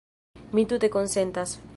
Mi tute konsentas.